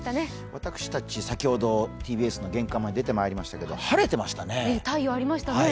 私たち、先ほどＴＢＳの玄関まで出てまいりましたけれども太陽ありましたね。